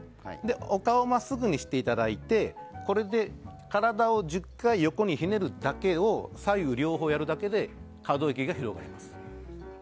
お顔を真っすぐにしていただいて体を１０回、横にひねるだけを左右両方やるだけで可動域が広がります。